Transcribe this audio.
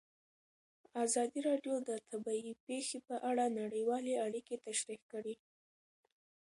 ازادي راډیو د طبیعي پېښې په اړه نړیوالې اړیکې تشریح کړي.